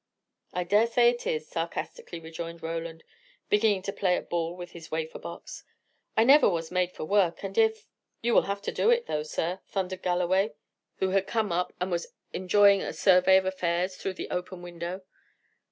"I dare say it is!" sarcastically rejoined Roland, beginning to play at ball with the wafer box. "I never was made for work; and if " "You will have to do it, though, sir," thundered Mr. Galloway, who had come up, and was enjoying a survey of affairs through the open window.